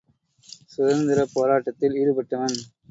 சுதந்திரப் போராட்டத்தில் ஈடுபட்டவன்.